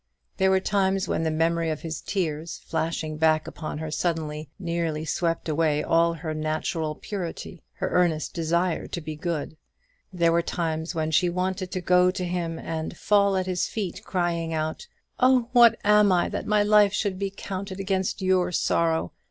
There were times when the memory of his tears, flashing back upon her suddenly, nearly swept away all her natural purity, her earnest desire to be good; there were times when she wanted to go to him and fall at his feet, crying out, "Oh, what am I, that my life should be counted against your sorrow?